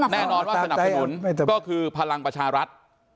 แน่นอนว่าสนับสนุนก็คือพลังประชารัฐ